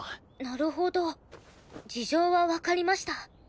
なるほど事情はわかりました。